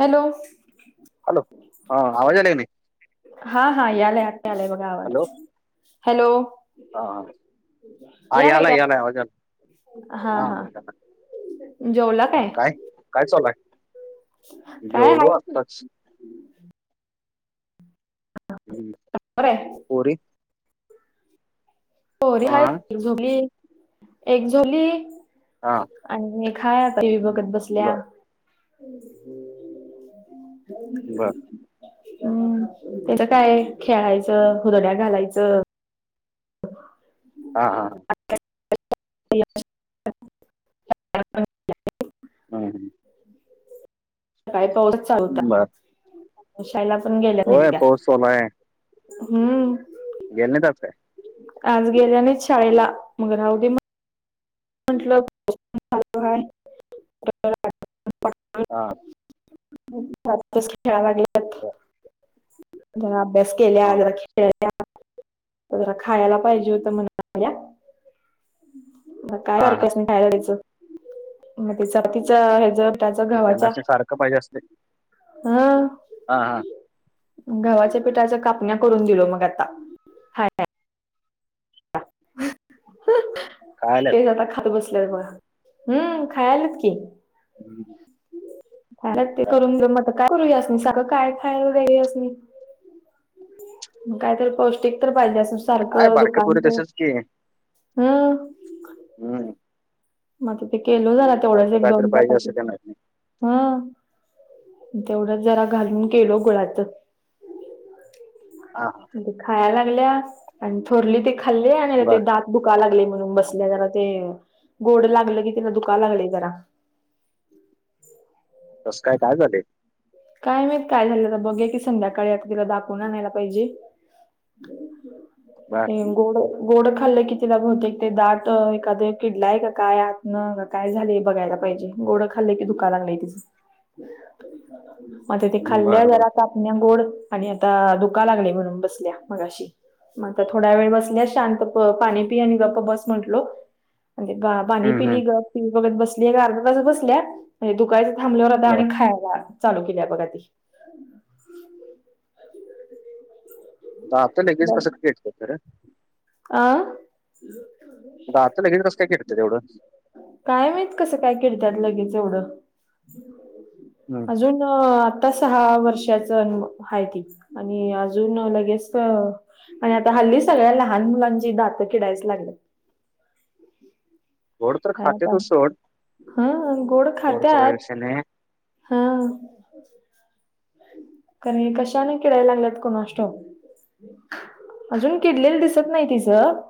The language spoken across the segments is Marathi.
हॅलो हॅलो हा आवाज आलाय क नाही हा हा यालाय आ आलंय बघा हॅलो आवाज हॅलो हा ह हा यालाय यालाय आवाज हा हो झाला जेवला काय. काय चालू आहे काय हाय जेवलो आत्ताच. हम्म बरंय पोरी. पोरी ह हा एक झोपली एक झोली. हा आणि हे हाय आता टी व्ही बघत बसल्या. बर [unintelligible] बर हम्म त्याच काय खेळायचं हुदड्या घालायचं. हा हा ह ते ह ह काय पाऊस चालू बर होता शाळेला पण गेल्या नाहीत होय त्या. पाऊस चालू हाय. हम्म गेल्या नाही आज काय. आज गेल्या नाही शाळेला मग राहू दे म्ह म्हंटलं पाऊस चालू हाय हा [unintelligible] खेळायला लागल्यात बर जरा अभ्यास केल्या हा जरा खायला पाहिजे होतं म्हणाल्या मग काय हा हा करतेस नाही खायला तिचं मग तिच तिच ह ज पिठाचं त्यांना गव्हाच्या असं सारखं पाहिजे असते ह हा हा गव्हाच्या पिठाच्या कापण्या करून दिलो आता खायाला. खायलाच ते आता खात बसल्या बघ हम्म खायालेत की. हम्म खायल्यात ते करून म काय करूया यासनी सारंक काय खायला देऊ यासनी काहीतरी पौष्टिक तर पाहिजे अस काय सारखं बारक्या दुकान पोरी तसच की हम्म हम्म म त ते केलो जरा तेवढंच सारखं एक काहीतरी दोन पाहिजे असं चपातीचं. त्यांना ह तेवढं जरा घालून केलो गुळाचं. हा हा खाया लागल्यात आणि थोरली ते खाल्ली आणि ते बर दात दुका लागलयं म्हणून बसले जरा ते गोड लागलं की तिना दुकालागलयं जरा कस काय काय झालय काय माहीत काय झालंत आता बघुया की संध्याकाळी आता तिला दाखवून आणयला पाहिजे. [unintelligible] गोड गोड खाल्लं कि तीला बहुतेक ते दात एखादं एक किडलाय का काय आत न ग काय झालंय बघायला पाहिजे गोडं खाल्लं की दुकाय लागलंय तिच मग ते ते खाल्ल्या बर बर जरा कापण्या गोड आणि आता दूका लागलय म्हणून बसल्या मगाशी म आता थोडा वेळ बसल्यास शांत पाणी पि आणि गप्पा बस म्हंटलो म्हणजे पा पाणी हम्म हम्म पिली ग पिली बघत बसली एक अर्धा तास बसल्या म्हणजे दुकाय थांबल्यावर आता बर आणि खायला चालू केली आहे बघ आता ती दात लगेच कसं काय किडली खरं अ दात लगेच कसं काय किडतात एवढं काय माहित कसं काय किडतात लगेच एवढं हम्म अजून आता सहा वर्षाच अन आहे त आणि अजून लगेच हो आणि आता हल्ली सगळ्या लहान मुलांची दातं कीडायच लागलेत. गोड तर खाते तू सोड हा गोड गोडचा काय खात्यात विषय नाही हा. कारण ये कशाने किडायला लागल्यात कोणास ठाऊक? अजून किडलेलं दिसत नाही तिचं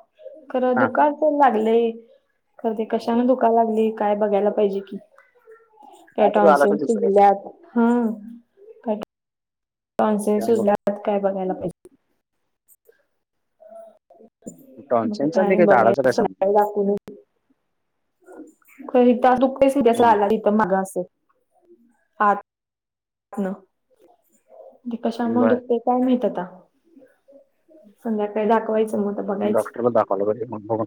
खरं हा दुकाय तेन लागलंय, खर ते कशानं दुकाय लागलय काय बघायला? पाहिजे कि काय तर झाला टॉन्सिल असेल दुसऱ्या सुजल्यात हा. टॉन्सिल सुजल्यात काय बघायला पाहिजे. म आता टॉन्सिलचा नाही काय काही दाढाचा काय बघायच संबंध संध्याकाळी दाखवून येतो. खर हे दात दुखतय [unintelligible] आला हम्म री तर मगा असेल [unintelligible] ते कशामूळ बर दुखतय काय माहित आता संध्याकाळी दाखवायचं मग. आता बघायचं डॉक्टरला दाखवायला पाहिजे मग बघू.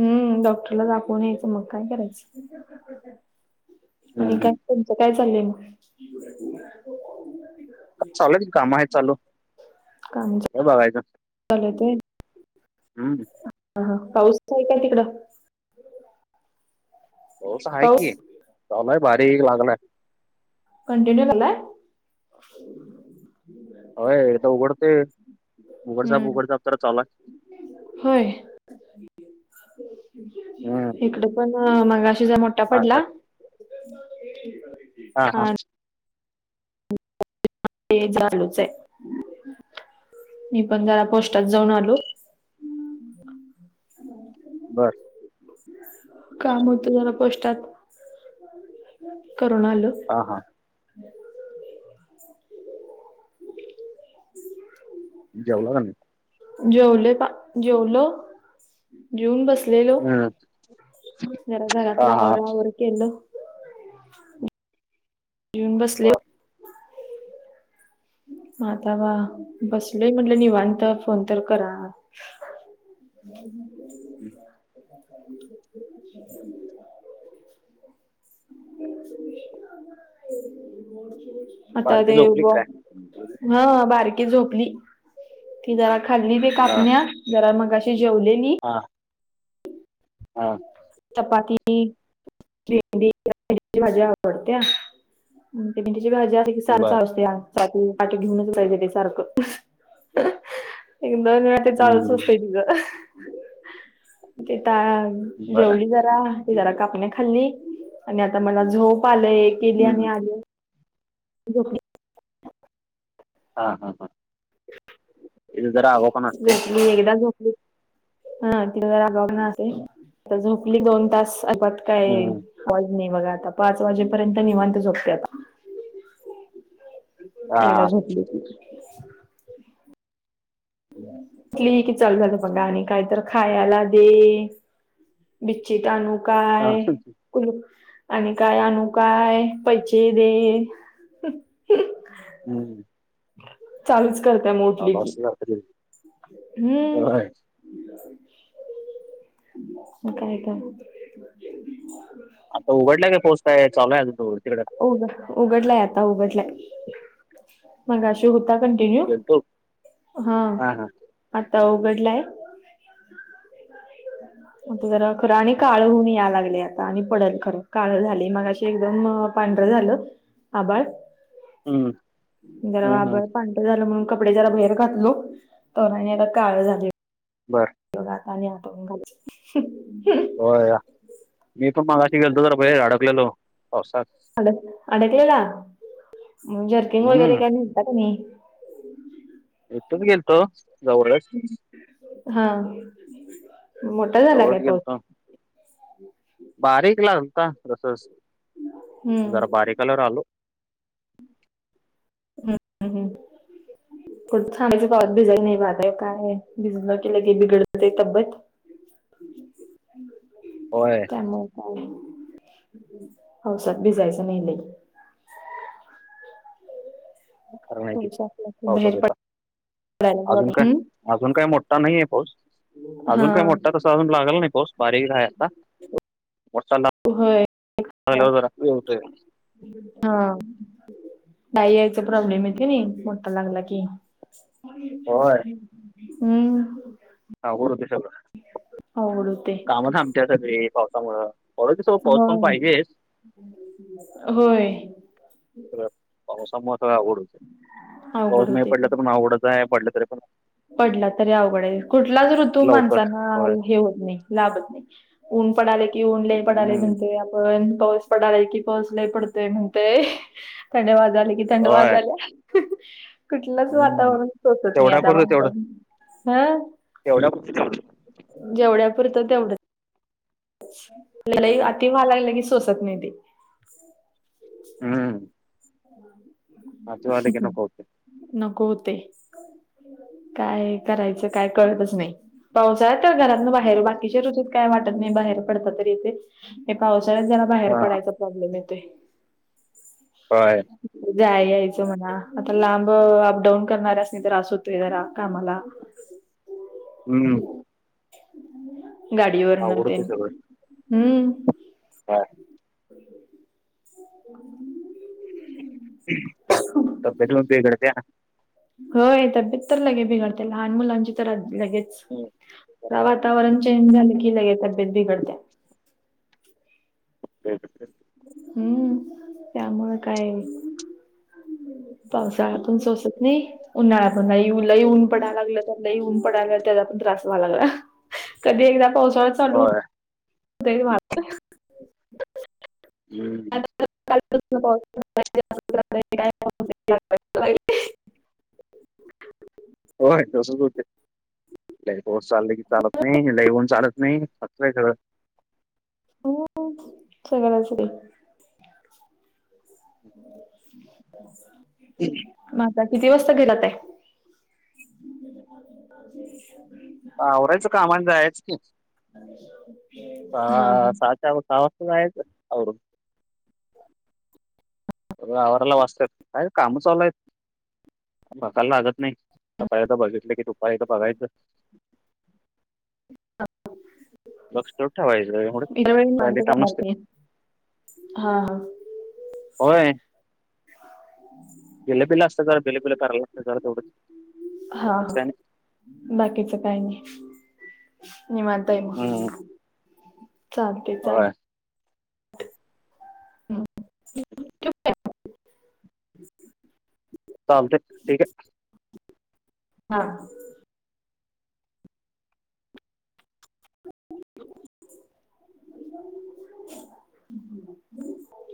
हम्म डॉक्टरला दाखवून यायचं, मग काय करायचं? हम्म आणि काय? हम्म तुमचं काय चाललंय मग? चालु हायत काम आहे चालू. काम चालू काय बघायचं चालू हायत होय. हम्म. ह हा पाऊस ते आहे काय तिकडं. पाऊस हाय की, चालु हाय बारीक लागलाय. कंन्टिन्यु लागलाय. होय एकदा उघडतय, उघडझाप हम्म उघडझाप तर चालू हाय. होय. हम्. इकड पण मगाशी जरा मोठा पडला. हा हा. आणि ते चालुच हाय. मी पण जरा पोस्टात जाऊन आलो. बर. काम होत जरा पोस्टात करून आलो. हां हां. [unintelligible] जेवला का नाही? जेवले पा जेवलो. जेवून बसलेलो, हम्म जरा हा घरातल हा आवराआवर केलं येऊन बसले. बर म आता वा बसलोय म्हटलं निवांत. फोन तर करा. [inaudible] [unintelligible] आता बारकी देव झोपली का बा. काय हा बारकी झोपली, ती जरा खाल्ली बी हां कापण्या जरा मगाशी जेवलेली. हां. हा. चपाती अ. भेंडी ची भाजी आवडत्या, भेंडीची भाजी आसली की हे सारख बरं चालू असतय, आमचं आधी पाठी घेऊनच फिरायच ते सारखं. एक दोन वेळा ते हं चालूच असतय हं तिझं [unintelligible] ते ता बरं जेवली जरा, जरा कापण्या खाल्ली आणि आता मला झोप आलंय. हं बिर्याणी आली [unintelligible] हा हा हा इथे जरा [unintelligible] असते. मी एकदा झोपली हा तीला जरा [unintelligible] आता झोपली दोन तास [unintelligible] हं काय हं [unintelligible] नाही बघा आता पाच वाजेपर्यंत निवांत झोपते आता. एकदा हां झोपली की. उठली की चालू झालं बघा आणि काही तर खायला दे. बिच्छिट आणू हां काय? [unintelligible] आणि काय आणू काय पैसे दे. हम्म. चालूच करतय म उठली की. [inaudible] हम्म होय म काय करू? [inaudible] आता उघडलाय का पाऊस काय चालूय अजून तिकड? उग उघडलाय आता उघडलाय मगाशी होता पण गेलतो [unintelligible] हा हां हां आता उघडलाय आता जरा खरं आणि काळ ऊन यायला लागलया. आणि पडल का, काळ झालय मगाशी एकदम पांढरं झालं आभाळ हं [unintelligible] हं हं पांढर झाल म्हणून कपडे जरा बाहेर घातलो तर आणि आता काळ झालय. बरं. [unintelligible] हो या, मी पण मागाशी गेलतो तर बाहेर अडकलेलो पावसात. अडक अडकलेला म जर्किंग वगैरे हं काय नेता का नाही. इथेच गेलतो जवळच हा मोठा झाला काय जवळच पाऊस? गेलतो बारीक ला आलता जस जरा हम्म बारीकला आलो. हम्म हम्म [unintelligible] पावात भिजाई नाही पाहताय काय. भिजल की लगेच बिघडतय तब्बेत. होय. त्यामुळे काय पावसात भिजायचं नाही बाई. खर नाही ती पावसात बाहेर होता. पडायला अजून काय बघ अजून काय मोठ्ठा नाहीये पाऊस हा अजून काय मोठा तस तसा अजून लागल नाही पाऊस बारीक आहे आता, मोठ्ठा लाग व्हय [unintelligible] हा जाई यायचा प्रॉब्लेम आहे की नाही मोठा लागला की. होय हम्म. आवड त्याच्यावर आवडू काम थांबत्यात सगळी पावसामुळं [unintelligible] पाऊस पण होय पाहिजेच होय सगळ पावसामुळे सगळ अवघड होते. अवघड पाऊस नाही होते पडला ते तर पण अवघडच आहे पडलं तरी पण पडला तरी अवघड आहे, कुठलाच ऋतू लवकर माणसांना होय हे होत नाही लाभत नाही. ऊन पडाले कि ऊन लय पडालय हम्म. म्हणतोय आपण पण पाऊस पडालाय की पाऊस लय पडतोय म्हणतोय, थंडी वाजाला की थंड होय वाज्याला. कुठलंच वातावरण सोचत नाही आता म पडत एवढ्या [unintelligible] जेवढ्या पुरत तेवढंच. लय हम्म. अति व्हायाला लागलं की सोसत नाही ते. हम्म. नातू आले की नको होते नको होते. काय करायचं काय कळतच नाही, पावस अहेत घरा बाहेर बाकीच्या ऋतूत काय वाटत नाही बाहेर पडत तरी येत, पावसाळ्यात जरा बाहेर हा पडायच प्रॉब्लेम येतोय. बाय. जाय यायचं म्हणा, आता लांब अपडाऊन करणाऱ्यास णी त्रास होतोय जरा कामाला. हम्म. गाडीवर अवघड नवते, होते हम्म. हा. ह्म, तब्यत पण बिगडत्या. होय तब्येत तर लगे बिघडते, लहान मुलांची तर लगेच. हम्म. जरा वातावरण चेंज झालं की, लगेच तब्येत बिघडते. क [unintelligible] हम्म, त्यामुळे काय,? पावसाळा पण सोसत नही, उन्हाळ्यात पन बाई लई उऊन पडायला लागलं तर लई उन पडायला त्याचा पण त्रास व्हायला लागला, कधी एकदा पावसाळा चालू होय का वा [unintelligible] हम्म. कालपासून पाऊस पडतोय [unintelligible] होय तसच होते, लई पाऊस चालल की चालत नाही, लई होऊन चालत नाही. नाही खं [unintelligible] ह् सगळंच र [inaudible] ह्म. मग आता किती वाजता गेलात ये? आवरायचं कामान जायच की, हा आ हा सा सामस्यक [unintelligible] आवाराला वाचतय काय काम चाललाय बघायला लागत नाही, सकाळी आता बघितल की दुपारी एकदा बघायचं. लक्ष ठेवायचं एवढं, इतर वेळी निवांत कायले काम जाणार असते. मी हा हा होय. बिलं-बिल असत, जरा बिल-बिले करायला असत जरा तेवढंच, बाकीचं काइ नई. बाकीच काय नही, निवांत हम्म [unintelligible] चालतंय चालतंय. होय [unintelligible] [inaudible] चालतंय, ठीक ये. हा. हम् [unintelligible]